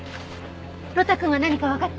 呂太くんは何かわかった？